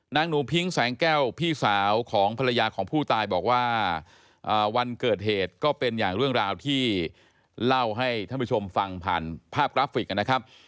นางหนูพิ้งแสงแก้วพี่สาวของภรรยาของผู้ตายบอกว่าวันเกิดเหตุก็เป็นอย่างเรื่องราวที่เล่าให้ท่านผู้ชมฟังผ่านภาพกราฟิกนะครับ